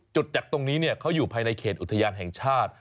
จากตรงนี้เขาอยู่ภายในเขตอุทยานแห่งชาติ